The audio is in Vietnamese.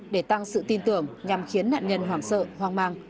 để tăng sự tin tưởng nhằm khiến nạn nhân hoảng sợ hoang mang